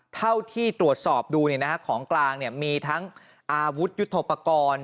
เท่าที่ตรวจสอบดูของกลางมีทั้งอาวุธยุทธโปรกรณ์